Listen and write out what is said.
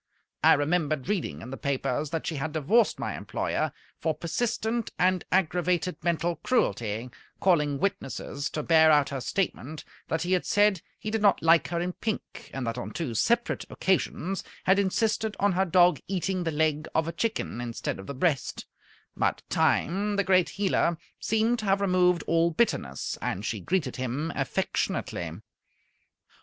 I remembered reading in the papers that she had divorced my employer for persistent and aggravated mental cruelty, calling witnesses to bear out her statement that he had said he did not like her in pink, and that on two separate occasions had insisted on her dog eating the leg of a chicken instead of the breast; but Time, the great healer, seemed to have removed all bitterness, and she greeted him affectionately.